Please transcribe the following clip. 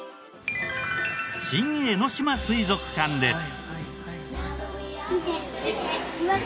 新江ノ島水族館です。